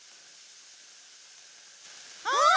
あっ！